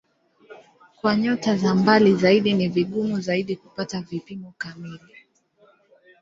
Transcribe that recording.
Kwa nyota za mbali zaidi ni vigumu zaidi kupata vipimo kamili.